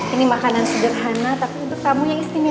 ini makanan sederhana tapi untuk tamu yang istimewa